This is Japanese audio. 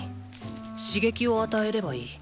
シゲキを与えればいい。